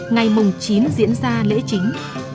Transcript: ngày mùng chín diễn ra lễ chính